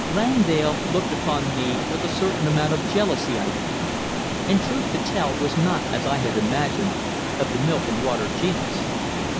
Langdale looked upon me with a certain amount of jealousy, I think, and, truth to tell, was not, as I had imagined, of the milk and water genus.